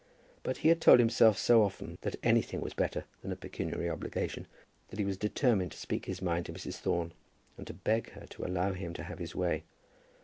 But he had told himself so often that anything was better than a pecuniary obligation, that he was determined to speak his mind to Mrs. Thorne, and to beg her to allow him to have his way.